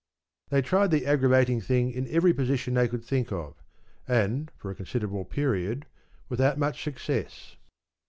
They tried the aggravating thing in every position they could think of, and, for a considerable period, without much success.